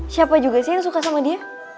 siapa juga sih yang suka sama dia